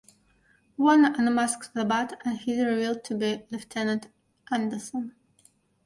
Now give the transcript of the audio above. Warner unmasks The Bat and he is revealed to be Lieutenant Anderson.